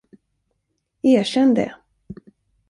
Erkänn det!